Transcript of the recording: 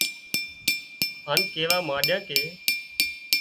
هانَ ڪيوا مانڏيان ڪي